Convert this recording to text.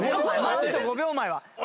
「マジ」と「５秒前」は。